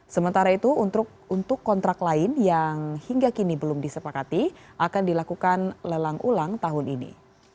sementara itu untuk kontrak lain yang hingga kini belum disepakati akan dilakukan lelang ulang tahun ini